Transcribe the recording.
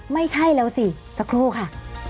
ไม่ใช่แล้วสิสักครู่ค่ะ